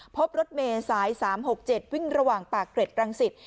พบรถเมย์สาย๓๖๗วิ่งระหว่างปากเกร็ดรังสิต